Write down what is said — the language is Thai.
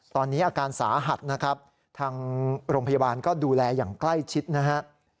ตอนนี้อาการสาหัสนะครับทางโรงพยาบาลก็ดูแลอย่างใกล้ชิดนะฮะ